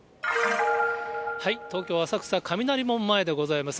東京・浅草、雷門前でございます。